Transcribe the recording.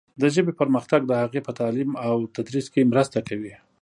د ژبې پرمختګ د هغې په تعلیم او تدریس کې مرسته کوي.